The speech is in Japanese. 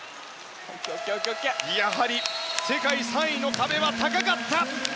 やはり世界３位の壁は高かった。